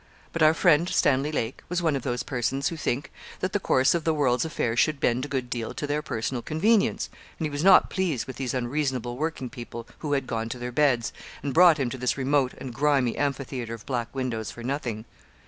But our friend, Stanley Lake, was one of those persons who think that the course of the world's affairs should bend a good deal to their personal convenience, and he was not pleased with these unreasonable working people who had gone to their beds, and brought him to this remote and grimy amphitheatre of black windows for nothing.